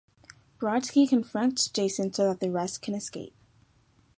Brodski confronts Jason so that the rest can escape.